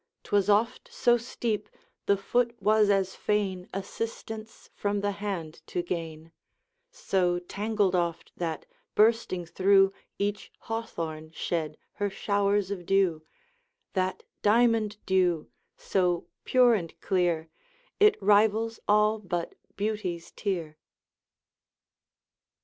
'Twas oft so steep, the foot was as fain Assistance from the hand to gain; So tangled oft that, bursting through, Each hawthorn shed her showers of dew, That diamond dew, so pure and clear, It rivals all but Beauty's tear!